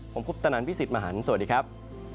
ผมพุทธนันท์พี่สิทธิ์มหานสวัสดีครับ